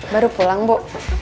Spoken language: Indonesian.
baru pulang bu